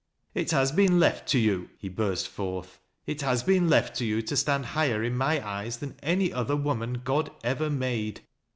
" It has been left to you," he burst forth, " it has been left to you to stand higher in my eyes than any othei woman God ever made."